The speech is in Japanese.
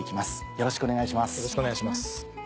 よろしくお願いします。